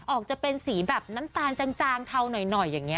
ออกจะเป็นสีแบบน้ำตาลจางเทาหน่อยอย่างนี้